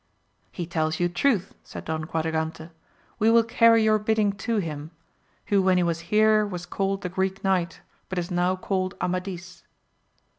He tells you truth, said Don Quadragante; we will carry your bidding to him, who when he was here was called the Greek Knight, but is now called Amadis.